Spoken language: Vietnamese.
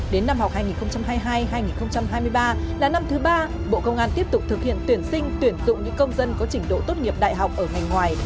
đến năm học hai nghìn hai mươi hai hai nghìn hai mươi ba là năm thứ ba bộ công an tiếp tục thực hiện tuyển sinh tuyển dụng những công dân có trình độ tốt nghiệp đại học ở ngành ngoài